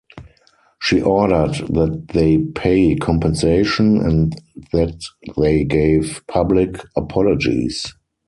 She ordered that they pay compensation and that they gave public apologies.